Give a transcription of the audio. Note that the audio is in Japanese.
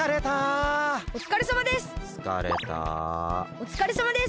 おつかれさまです！